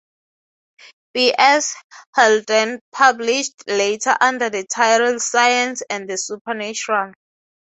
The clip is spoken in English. B. S. Haldane, published later under the title "Science and the Supernatural".